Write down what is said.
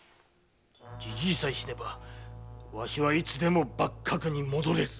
じじいさえ死ねばわしはいつでも幕閣に戻れる。